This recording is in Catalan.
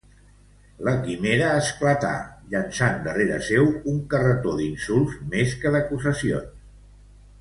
La quimera esclatà, llançant darrere seu un carretó d'insults més que d'acusacions.